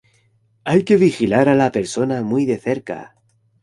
Hay que vigilar a la persona muy de cerca.